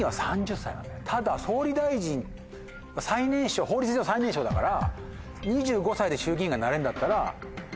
ただ総理大臣法律上最年少だから。